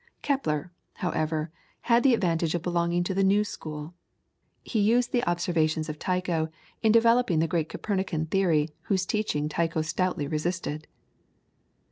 Kepler, however, had the advantage of belonging to the new school. He utilised the observations of Tycho in developing the great Copernican theory whose teaching Tycho stoutly resisted.